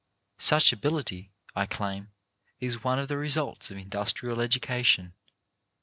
Such an ability, I claim, is one of the results of industrial education.